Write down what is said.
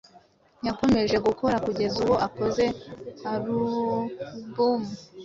Yakomeje gukora kugeza ubwo akoze alubumu